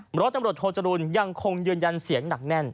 เพราะตำรวจโทจรูลยังคงยืนยันเสียงหนักแน่น